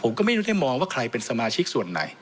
ผมก็ไม่รู้แค่มองว่าใครเป็นสมาชิกส่วนไหน